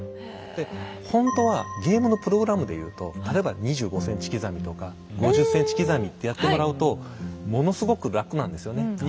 でほんとはゲームのプログラムでいうと例えば２５ｃｍ刻みとか５０ｃｍ刻みってやってもらうとものすごく楽なんですよね。